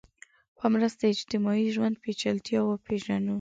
په مرسته اجتماعي ژوند پېچلتیا وپېژنو